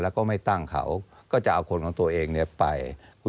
แล้วก็ไม่ตั้งเขาก็จะเอาคนของตัวเองไป